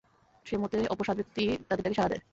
সে মতে, অপর সাত ব্যক্তি তাদের ডাকে সাড়া দেয়।